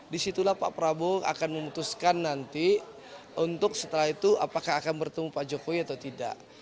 disitulah pak prabowo akan memutuskan nanti untuk setelah itu apakah akan bertemu pak jokowi atau tidak